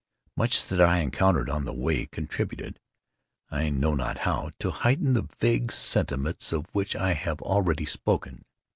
Much that I encountered on the way contributed, I know not how, to heighten the vague sentiments of which I have already spoken.